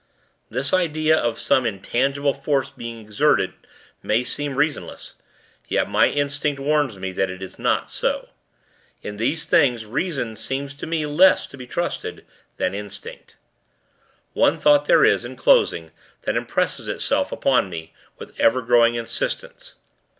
This idea of some intangible force being exerted, may seem reasonless. Yet, my instinct warns me, that it is not so. In these things, reason seems to me less to be trusted than instinct. One thought there is, in closing, that impresses itself upon me, with ever growing insistence.